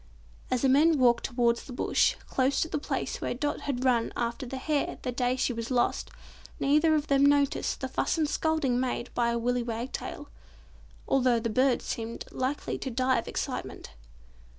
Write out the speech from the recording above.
As the men walked towards the bush, close to the place where Dot had run after the hare the day she was lost, neither of them noticed the fuss and scolding made by a Willy Wagtail; although the little bird seemed likely to die of excitement.